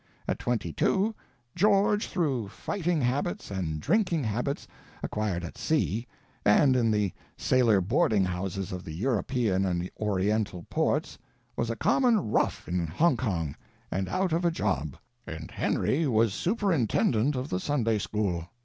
At twenty two George, through fighting habits and drinking habits acquired at sea and in the sailor boarding houses of the European and Oriental ports, was a common rough in Hong Kong, and out of a job; and Henry was superintendent of the Sunday school.